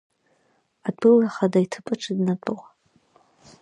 Атәыла ахада иҭыԥаҿы днатәо.